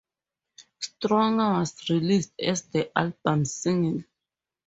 "Stronger" was released as the album's single.